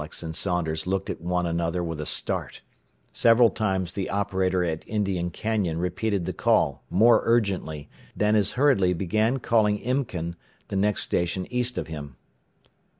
Alex and Saunders looked at one another with a start. Several times the operator at Indian Canyon repeated the call, more urgently, then as hurriedly began calling Imken, the next station east of him.